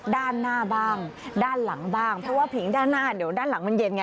ด้านหน้าบ้างด้านหลังบ้างเพราะว่าผิงด้านหน้าเดี๋ยวด้านหลังมันเย็นไง